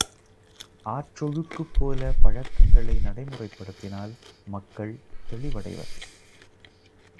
ஆற்றொழுக்குப் போல பழக்கங்களை நடைமுறைப் படுத்தினால் மக்கள் தெளிவடைவர்.